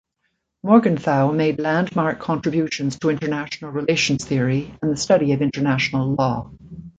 Morgenthau made landmark contributions to international relations theory and the study of international law.